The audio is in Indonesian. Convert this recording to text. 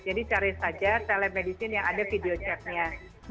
jadi cari saja telemedicine yang ada video chatnya